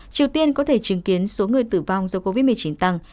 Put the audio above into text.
triều tiên có thể chứng kiến số người tử vong do covid một mươi chín tăng